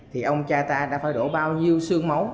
thì ông cha ta đã phải đổ bao nhiêu sương máu